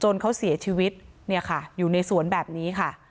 เขาเสียชีวิตเนี่ยค่ะอยู่ในสวนแบบนี้ค่ะ